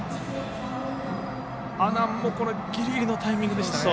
阿南もギリギリのタイミングでしたね。